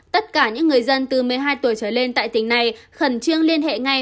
tất cả những người dân từ một mươi hai tuổi trở lên tại tỉnh này khẩn trương liên hệ ngay